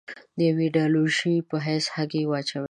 د یوې ایدیالوژۍ په حیث هګۍ واچوي.